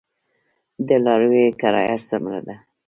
د لاریو کرایه څومره ده؟